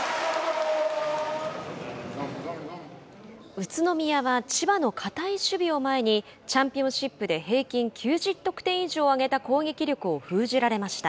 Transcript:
宇都宮は千葉の堅い守備を前にチャンピオンシップで平均９０得点を以上を挙げた攻撃力を封じられました。